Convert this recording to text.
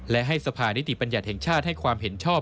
และให้สภานิติบัญญัติแห่งชาติให้ความเห็นชอบ